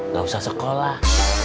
gak usah sekolah